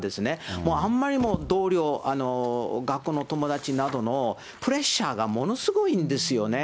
もうあんまりにも同僚、学校の友達などのプレッシャーがものすごいんですよね。